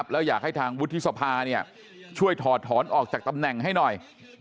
แล้วอยากให้ทางวุฒิสภาช่วยถอดถอนออกจากตำแหน่งให้หน่อย